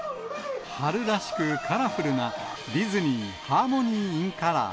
春らしく、カラフルな、ディズニー・ハーモニー・イン・カラー。